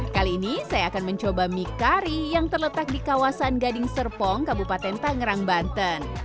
kali ini saya akan mencoba mie kari yang terletak di kawasan gading serpong kabupaten tangerang banten